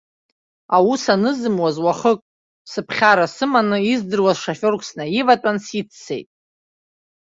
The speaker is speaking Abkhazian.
Аус анызымуаз, уахык, сыԥхьара сыманы, издыруаз шоферк снаиватәан сиццеит.